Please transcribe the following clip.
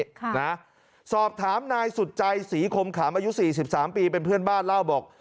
ค่ะนะสอบถามนายสุดใจศรีคมขามอายุสี่สิบสามปีเป็นเพื่อนบ้านเล่าบอก